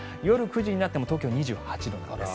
夜９時になっても東京２８度なんです。